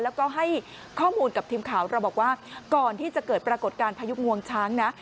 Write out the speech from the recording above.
แล้วก็ให้ข้อมูลกับทีมข่าวเราบอกว่าก่อนที่จะเกิดปรากฏการณ์พายุงวงช้างนะ